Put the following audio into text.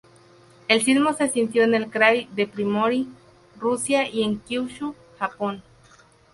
El sismo se sintió en el Krai de Primorie, Rusia y en Kyūshū, Japón.